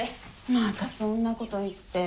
またそんなこと言って。